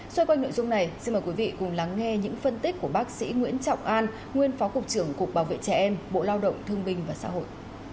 xoay quanh nội dung này xin mời quý vị cùng lắng nghe những phân tích của bác sĩ nguyễn trọng an nguyên phó cục trưởng cục bảo vệ trẻ em bộ lao động thương binh và xã hội